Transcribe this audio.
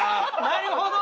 なるほど！